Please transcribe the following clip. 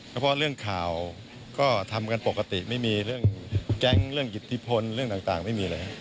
เพราะเรื่องข่าวก็ทำกันปกติไม่มีเรื่องแก๊งเรื่องอิทธิพลเรื่องต่างไม่มีเลย